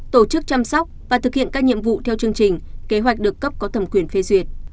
tổ chức chăm sóc và thực hiện các nhiệm vụ theo chương trình kế hoạch được cấp có thẩm quyền phê duyệt